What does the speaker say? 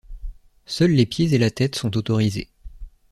Seuls les pieds et la tête sont autorisés.